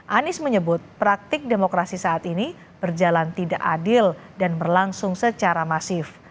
anies menyebut praktik demokrasi saat ini berjalan tidak adil dan berlangsung secara masif